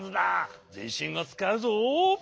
ぜんしんをつかうぞ。